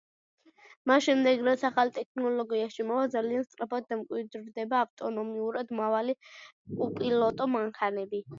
მას შემდეგ, რაც ახალი ტექნოლოგია შემოვა, ძალიან სწრაფად დამკვიდრდება ავტონომიურად მავალი, უპილოტო მანქანები.